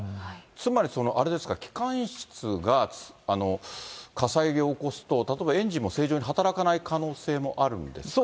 つまりあれですか、機関室が火災を起こすと、例えばエンジンも正常に働かない可能性もあるんですか？